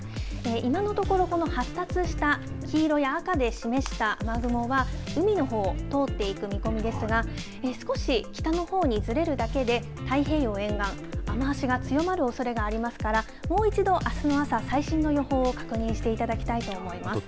今のところ、この発達した黄色や赤で示した雨雲は、海のほうを通っていく見込みですが、少し北のほうにずれるだけで、太平洋沿岸、雨足が強まるおそれがありますから、もう一度あすの朝、最新の予報を確認していただきたいと思います。